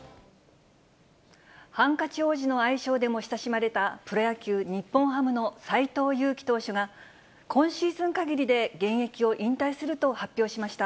ハンカチ王子の愛称でも親しまれたプロ野球・日本ハムの斎藤佑樹投手が、今シーズン限りで現役を引退すると発表しました。